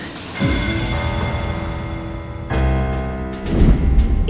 aku sudah selesai